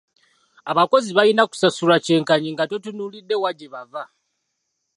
Abakozi balina kusasulwa kyenkanyi nga totunuulidde wa gye bava.